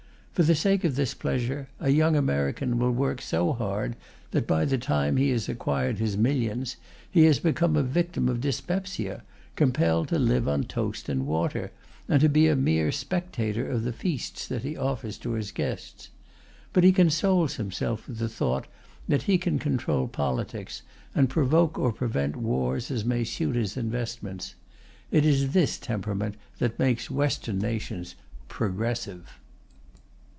For the sake of this pleasure, a young American will work so hard that, by the time he has acquired his millions, he has become a victim of dyspepsia, compelled to live on toast and water, and to be a mere spectator of the feasts that he offers to his guests. But he consoles himself with the thought that he can control politics, and provoke or prevent wars as may suit his investments. It is this temperament that makes Western nations "progressive."